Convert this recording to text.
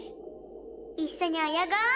いっしょにおよごう。